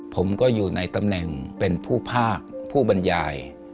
ผมก็อยู่ในตำแหน่งเป็นผู้ภาคผู้บรรยาย